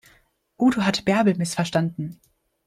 Udo hat Bärbel missverstanden.